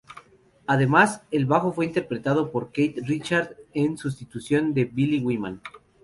Además, el bajo fue interpretado por Keith Richards, en sustitución de Bill Wyman.